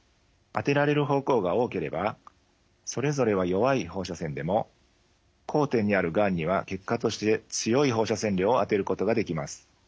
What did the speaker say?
当てられる方向が多ければそれぞれは弱い放射線でも交点にあるがんには結果として強い放射線量を当てることができます。